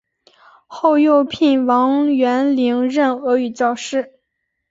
后又聘王元龄任俄语教师。